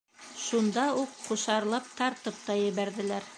Шунда уҡ ҡушарлап тартып та ебәрҙеләр.